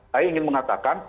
saya ingin mengatakan